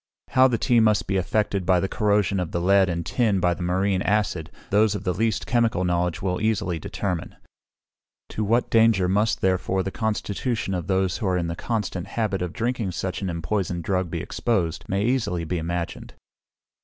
How the tea must be affected by the corrosion of the lead and tin by the marine acid, those of the least chemical knowledge will easily determine. To what danger must, therefore, the constitution of those who are in the constant habit of drinking such an empoisoned drug be exposed, may easily be imagined.